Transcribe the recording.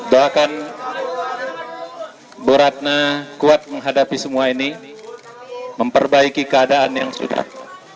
doakan bu ratna kuat menghadapi semua ini memperbaiki keadaan yang sudah